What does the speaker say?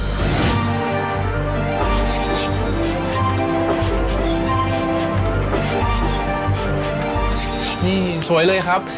นี่สวยเลยครับ